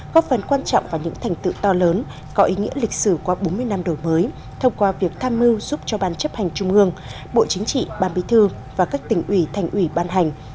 góp phần quan trọng và những thành tựu to lớn có ý nghĩa lịch sử qua bốn mươi năm đổi mới thông qua việc tham mưu giúp cho ban chấp hành trung ương bộ chính trị ban bí thư và các tỉnh ủy thành ủy ban hành